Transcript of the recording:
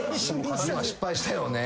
「失敗したよね」